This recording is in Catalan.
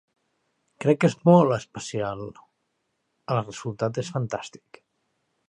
Crec que és molt especial... el resultat és fantàstic.